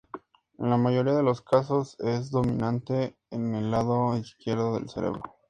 En la mayoría de los casos, es dominante en el lado izquierdo del cerebro.